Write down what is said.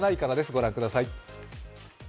ご覧ください。